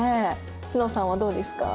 詩乃さんはどうですか？